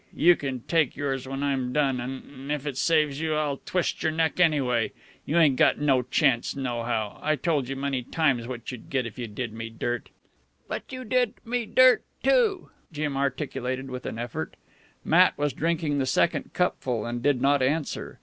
You can take yours when I'm done. An' if it saves you, I'll twist your neck, anyway. You ain't got no chance, nohow. I told you many times what you'd get if you did me dirt." "But you did me dirt, too," Jim articulated with an effort. Matt was drinking the second cupful, and did not answer.